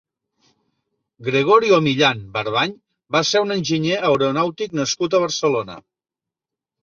Gregorio Millán Barbany va ser un enginyer aeronàutic nascut a Barcelona.